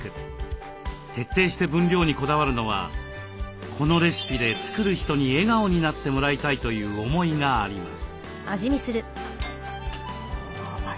徹底して分量にこだわるのはこのレシピで作る人に笑顔になってもらいたいという思いがあります。